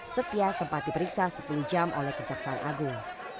setia sempat diperiksa sepuluh jam oleh kejaksaan agung